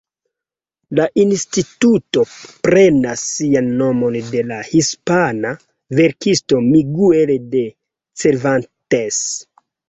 La instituto prenas sian nomon de la hispana verkisto Miguel de Cervantes.